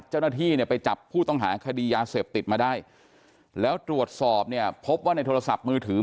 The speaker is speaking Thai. เจ้าหน้าที่เนี่ยไปจับผู้ต้องหาคดียาเสพติดมาได้แล้วตรวจสอบเนี่ยพบว่าในโทรศัพท์มือถือ